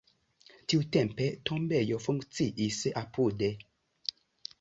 Tiutempe tombejo funkciis apude.